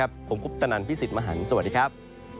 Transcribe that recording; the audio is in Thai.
ผมคุปตนันพี่สิทธิ์มหันฯสวัสดีครับ